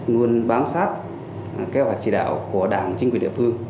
luôn bám sát kế hoạch chỉ đạo của đảng chính quyền địa phương